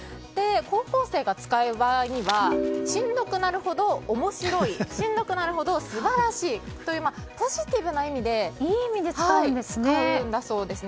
高校生が使う場合にはしんどくなるほど面白いしんどくなるほど素晴らしいとポジティブな意味で使うそうです。